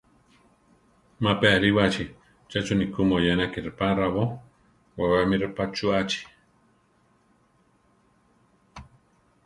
Ma pe aríwachi, checho ni ku moyénaki repá raábo, wabé mi repá chuʼachi.